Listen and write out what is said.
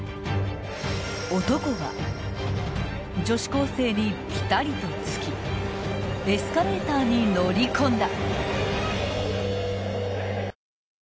［男は女子高生にピタリとつきエスカレーターに乗り込んだ］